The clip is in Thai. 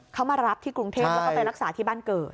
เขามารับที่กรุงเทพแล้วก็ไปรักษาที่บ้านเกิด